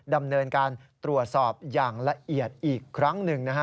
ดำเนินการตรวจสอบอย่างละเอียดอีกครั้งหนึ่งนะฮะ